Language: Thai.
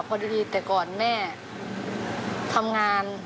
พอดีแต่ก่อนแม่ทำงาน